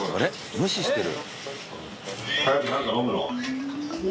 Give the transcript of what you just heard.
無視してる。